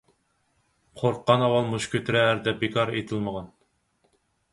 «قورققان ئاۋۋال مۇشت كۆتۈرەر» دەپ بىكار ئېيتىلمىغان.